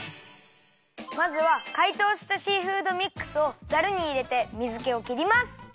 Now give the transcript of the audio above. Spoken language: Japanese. まずはかいとうしたシーフードミックスをザルにいれて水けをきります。